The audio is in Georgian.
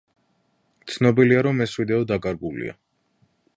ცნობილია, რომ ეს ვიდეო დაკარგულია.